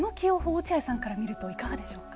落合さんから見るといかがでしょうか。